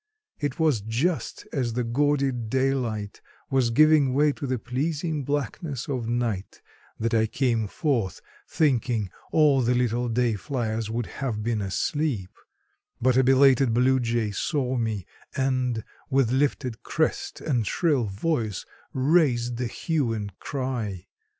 It was just as the gaudy daylight was giving way to the pleasing blackness of night that I came forth, thinking all the little day flyers would have been asleep, but a belated bluejay saw me and, with lifted crest and shrill voice, raised the hue and cry.